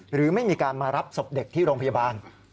หรือไม่มีการมารับศพเด็กที่โรงพยาบาล